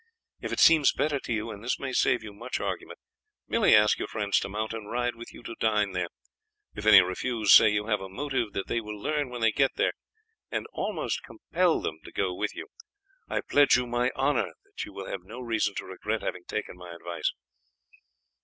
If it seems better to you, and this may save you much argument, merely ask your friends to mount and ride with you to dine there; if any refuse, say you have a motive that they will learn when they get there, and almost compel them to go with you. I pledge you my honour that you will have no reason to regret having taken my advice."